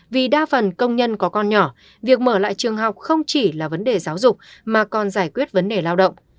vì đa phần công nhân có con nhỏ việc mở lại trường học không chỉ là vấn đề giáo dục mà còn giải quyết vấn đề lao động